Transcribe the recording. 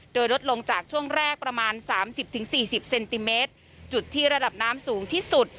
โดยลดลงจากช่วงแรกประมาณสามสิบถึงสี่สิบเซนติเมตรจุดที่ระดับน้ำสูงที่สุด